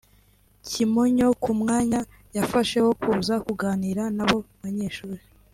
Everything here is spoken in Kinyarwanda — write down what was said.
Kimonyo ku mwanya yafashe wo kuza kuganira n’abo banyeshuri